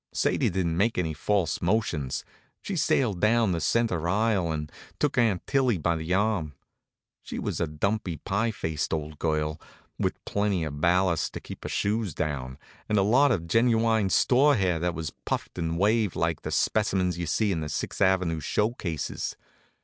Sadie didn't make any false motions. She sailed down the center aisle and took Aunt Tillie by the arm. She was a dumpy, pie faced old girl, with plenty of ballast to keep her shoes down, and a lot of genuine store hair that was puffed and waved like the specimens you see in the Sixth ave. show cases.